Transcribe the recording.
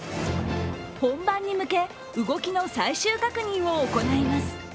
本番に向け、動きの最終確認を行います。